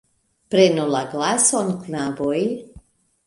Prenu la glason, knaboj!